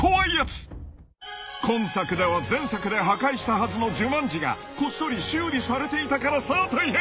［今作では前作で破壊したはずのジュマンジがこっそり修理されていたからさあ大変］